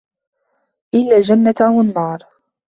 إلَّا الْجَنَّةُ أَوْ النَّارُ